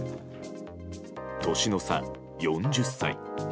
年の差、４０歳。